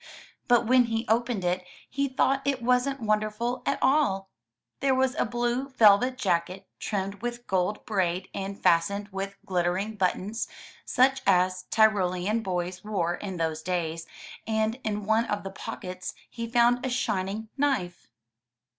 But when he opened it, he thought it wasn't wonderful at all. There was a blue velvet jacket, trimmed with gold braid and fastened with glittering buttons, such as Tyrolean boys wore in those days, and in one of the pockets he found a shining knife.